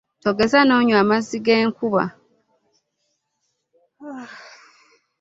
Togeza nonywa amazzi g'enkuba.